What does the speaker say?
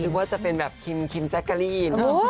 คือว่าจะเป็นแบบคิมแจ๊กกะลี